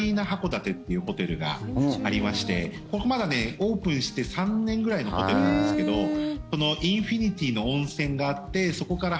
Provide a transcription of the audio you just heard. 函館っていうホテルがありましてまだオープンして３年ぐらいのホテルなんですけどインフィニティの温泉があってそこから